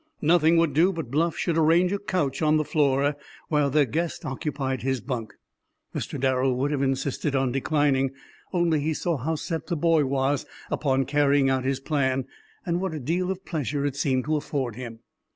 Nothing would do but Bluff should arrange a couch on the floor, while their guest occupied his bunk. Mr. Darrel would have insisted on declining, only he saw how set the boy was upon carrying out his plan and what a deal of pleasure it seemed to afford him.